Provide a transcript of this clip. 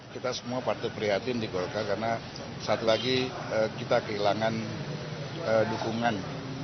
kita semua partai prihatin di golkar karena satu lagi kita kehilangan dukungan